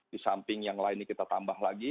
di samping yang lain ini kita tambah lagi